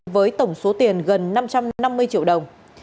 với tổng số tiền gần năm trăm năm mươi triệu đồng